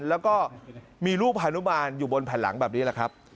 และมีรูปฮานุมาลอยู่บนผลังแบบนี้แหละครับ